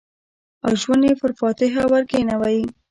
او ژوند یې پر فاتحه ورکښېنوی